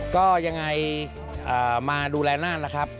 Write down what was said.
ก็ยังไงมาดูแลนั่นนะครับ